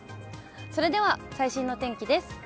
それでは最新の天気です。